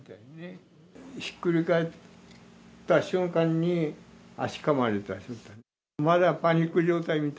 ひっくり返った瞬間に、足かまれた。